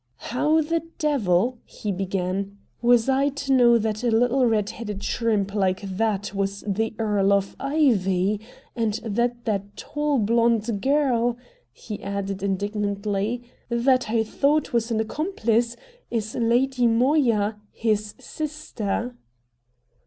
"How the devil!" he began, "was I to know that a little red headed shrimp like that was the Earl of Ivy? And that that tall blonde girl," he added indignantly, "that I thought was an accomplice, is Lady Moya, his sister?"